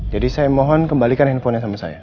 jadi saya mohon kembalikan handphonenya sama saya